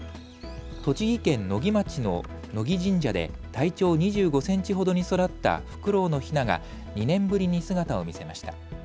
栃木県野木町の野木神社で体長２５センチほどに育ったフクロウのヒナが２年ぶりに姿を見せました。